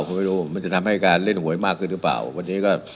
ผมไม่รู้มันจะทำให้การเล่นหวยมากขึ้นหรือเปล่าวันนี้ก็